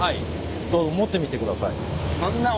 どうぞ持ってみてください。